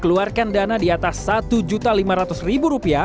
keluarkan dana di atas rp satu lima ratus